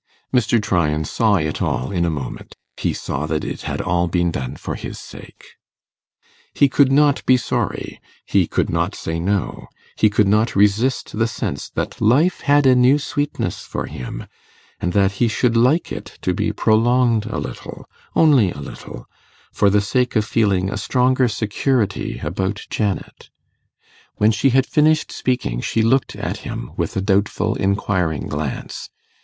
Mr. Tryan saw it all in a moment he saw that it had all been done for his sake. He could not be sorry; he could not say no; he could not resist the sense that life had a new sweetness for him, and that he should like it to be prolonged a little only a little, for the sake of feeling a stronger security about Janet. When she had finished speaking, she looked at him with a doubtful, inquiring glance.